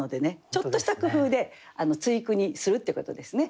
ちょっとした工夫で対句にするってことですね。